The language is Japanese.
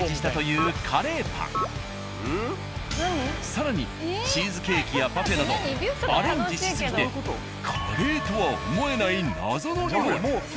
更にチーズケーキやパフェなどアレンジし過ぎてカレーとは思えない謎の料理。